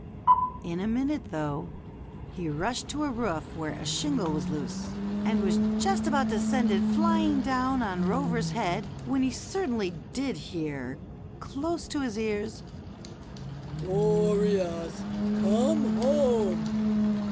In a minute, though, he rushed to a roof where a shingle was loose, and was just about to send it flying down on Rover's head, when he certainly did hear close to his ears, " Boreas, come home